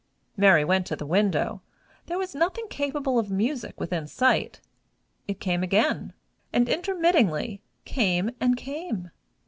Mary went to the window: there was nothing capable of music within sight. It came again; and intermittingly came and came.